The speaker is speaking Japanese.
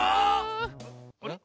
あれ？